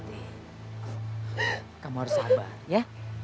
tidak mas saya belum siap menikah